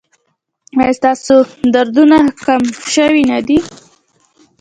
ایا ستاسو دردونه کم شوي نه دي؟